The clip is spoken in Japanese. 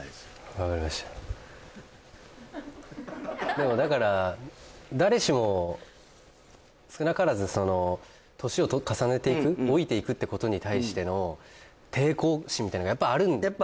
分かりましたでもだから誰しも少なからず年を重ねていく老いていくってことに対しての抵抗心みたいなのがやっぱあるんですよね